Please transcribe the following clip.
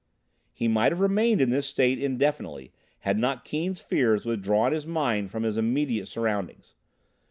He might have remained in this state indefinitely had not Keane's fears withdrawn his mind from his immediate surroundings.